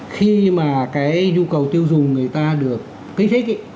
khi mà cái nhu cầu tiêu dùng người ta được kích thích